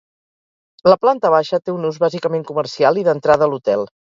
La planta baixa té un ús bàsicament comercial i d'entrada a l'hotel.